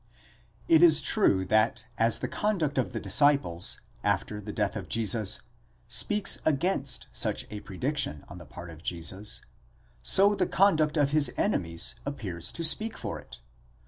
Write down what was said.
It is true, that as the conduct of the disciples, after the death of Jesus, speaks against such a prediction on the part of Jesus, so the conduct of his enemies appears to speak for it.